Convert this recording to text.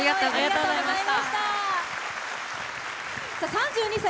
３２歳。